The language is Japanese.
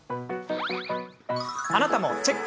あなたもチェック！